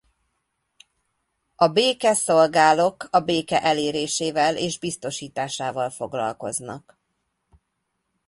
A béke szolgálok a béke elérésével és biztosításával foglalkoznak.